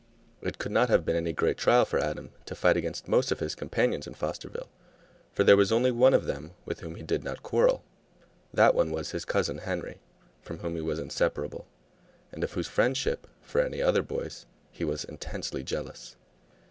It could not have been any great trial for Adam to fight against most of his companions in Fosterville, for there was only one of them with whom he did not quarrel. That one was his cousin Henry, from whom he was inseparable, and of whose friendship for any other boys he was intensely jealous.